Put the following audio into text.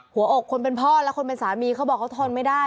หัวอกคนเป็นพ่อและคนเป็นสามีเขาบอกเขาทนไม่ได้